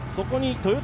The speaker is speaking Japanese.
豊田